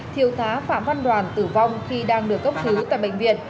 thiêu tá phạm văn đoàn tử vong khi đang được cấp cứu tại bệnh viện